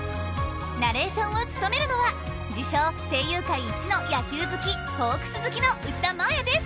ナレーションを務めるのは自称声優界一の野球好きホークス好きの内田真礼です。